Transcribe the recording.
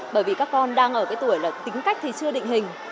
bởi vì các con đang ở cái tuổi là tính cách thì chưa định hình